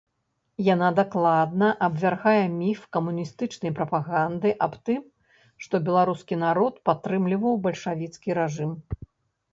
Яна дакладна абвяргае міф камуністычнай прапаганды аб тым, што беларускі народ падтрымліваў бальшавіцкі рэжым.